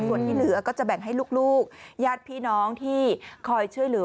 ส่วนที่เหลือก็จะแบ่งให้ลูกญาติพี่น้องที่คอยช่วยเหลือ